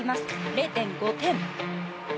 ０．５点。